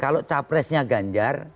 kalau capresnya ganjar